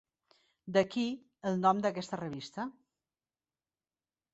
D’aquí el nom d'aquesta revista.